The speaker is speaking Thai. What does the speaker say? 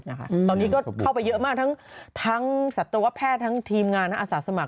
ตอนนี้ก็เข้าไปเยอะมากทั้งสัตวแพทย์ทั้งทีมงานทั้งอาสาสมัค